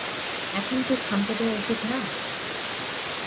এখন কি ক্ষান্ত দেওয়া উচিত না?